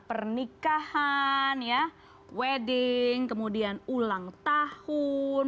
pernikahan wedding kemudian ulang tahun